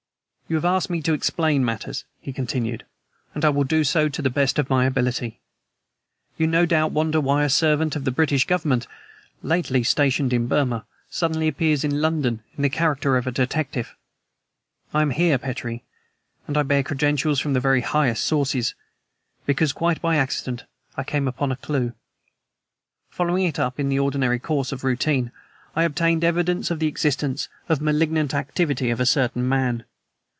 "You have asked me to explain matters," he continued, "and I will do so to the best of my ability. You no doubt wonder why a servant of the British Government, lately stationed in Burma, suddenly appears in London, in the character of a detective. I am here, Petrie and I bear credentials from the very highest sources because, quite by accident, I came upon a clew. Following it up, in the ordinary course of routine, I obtained evidence of the existence and malignant activity of a certain man.